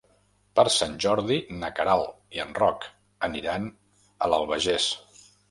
Per Sant Jordi na Queralt i en Roc aniran a l'Albagés.